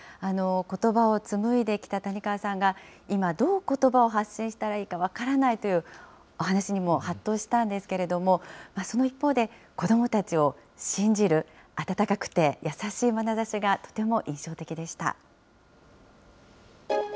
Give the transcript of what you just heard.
ことばを紡いできた谷川さんが今、どうことばを発信したらいいか分からないというお話にもはっとしたんですけれども、その一方で、子どもたちを信じる、温かくて優しいまなざしがとても印象的でした。